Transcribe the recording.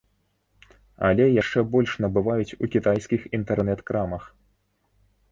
Але яшчэ больш набываюць у кітайскіх інтэрнэт-крамах.